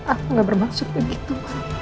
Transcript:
aku gak bermaksud begitu